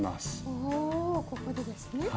おおここでですね。